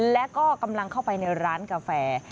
และก็กำลังเข้าไปในร้านกาแฟ